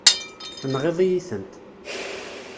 Tenɣiḍ-iyi-tent.